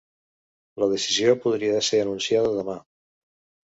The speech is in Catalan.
La decisió podria ser anunciada demà.